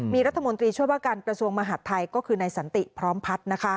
มีรัฐมนตรีช่วยประกันก็คือในสันติพร้อมพัด